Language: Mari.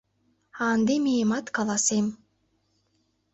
А ынде миемат, каласем.